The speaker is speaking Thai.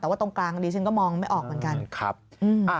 แต่ว่าตรงกลางดิฉันก็มองไม่ออกเหมือนกัน